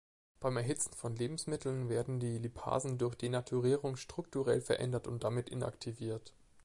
Beim Erhitzen von Lebensmitteln werden die Lipasen durch Denaturierung strukturell verändert und damit inaktiviert.